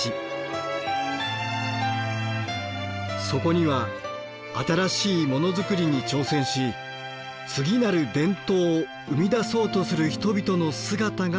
そこには新しいモノ作りに挑戦し次なる伝統を生み出そうとする人々の姿がありました。